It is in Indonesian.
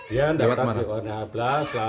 iya mendaftar di onh plus